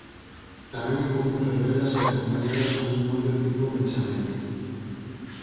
Tamén é común fervelas e acompañalas cun mollo tipo bechamel.